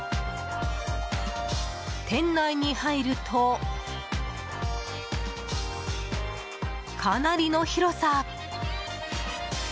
店内に入ると、かなりの広さ。